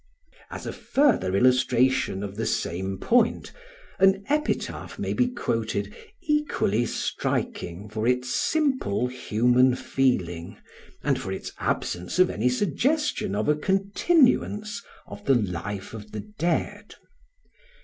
] As a further illustration of the same point an epitaph may be quoted equally striking for its simple human feeling and for its absence of any suggestion of a continuance of the life of the dead.